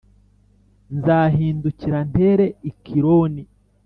nzahindukira ntere Ekironi,